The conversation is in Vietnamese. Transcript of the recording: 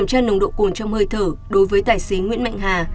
hồn trong hơi thở đối với tài xế nguyễn mạnh hà